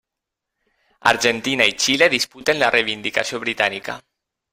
Argentina i Xile disputen la reivindicació britànica.